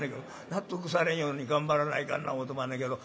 納得されんように頑張らないかんな思うてまんねんけど。